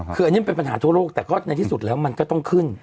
คืออันนี้มันเป็นปัญหาทั่วโลกแต่ก็ในที่สุดแล้วมันก็ต้องขึ้น